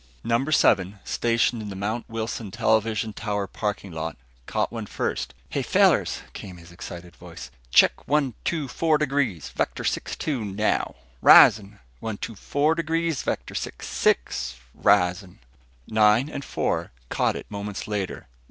Number Seven, stationed in the Mount Wilson television tower parking lot, caught one first. "Hey fellows," came his excited voice, "check 124 degrees, vector 62 now ... rising ... 124 degrees ... vector 66 ... rising " Nine and Four caught it moments later.